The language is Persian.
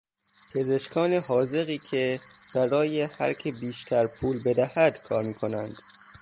پزشکان حاذقی که برای هرکه بیشتر پول بدهد کار میکنند